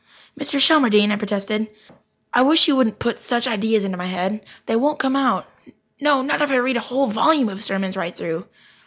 "Mr. Shelmardine!" I protested. "I wish you wouldn't put such ideas into my head. They won't come out no, not if I read a whole volume of sermons right through."